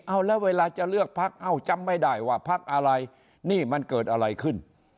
เอาแล้วเวลาจะเลือกพักเอ้าจำไม่ได้ว่าพักอะไรนี่มันเกิดอะไรขึ้น